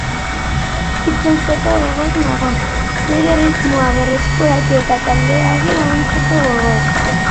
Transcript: Itzultzeko gogoz nago, nire erritmoa berreskuratu eta talkdeari laguntzeko gogoz.